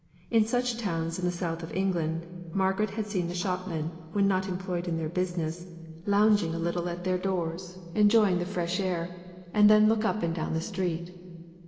In such towns in the south of England, Margaret had seen the shopmen, when not employed in their business, lounging a little at their doors, enjoying the fresh air, and the look up and down the street.